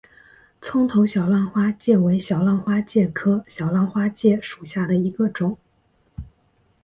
葱头小浪花介为小浪花介科小浪花介属下的一个种。